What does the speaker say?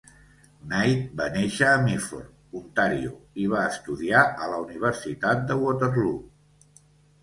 Knight va néixer a Meaford, Ontario i va estudiar a la Universitat de Waterloo.